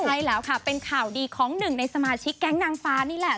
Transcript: ใช่แล้วค่ะเป็นข่าวดีของหนึ่งในสมาชิกแก๊งนางฟ้านี่แหละ